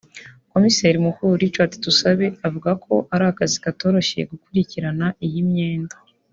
Kimiseri mukuru Richard Tusabe avuga ko ari akazi katoroshye gukurikirana iyi myenda